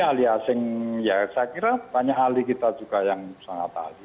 ahli asing ya saya kira banyak ahli kita juga yang sangat ahli